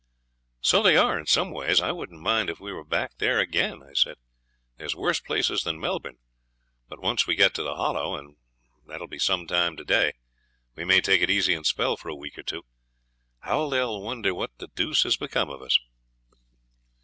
'So they are in some ways; I wouldn't mind if we were back there again,' I said. 'There's worse places than Melbourne; but once we get to the Hollow, and that'll be some time to day, we may take it easy and spell for a week or two. How they'll wonder what the deuce has become of us.'